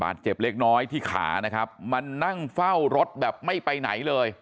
เจ็บเล็กน้อยที่ขานะครับมานั่งเฝ้ารถแบบไม่ไปไหนเลย